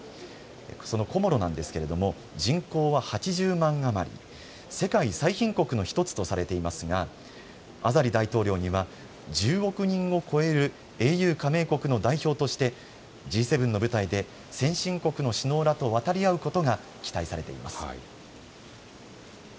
そのコモロなんですけれども人口８０万余り、世界最貧国の１つとされていますがアザリ大統領には１０億人を超えるＡＵ加盟国の代表としてＧ７の舞台で先進国の首脳らと渡り合うことが期待されています。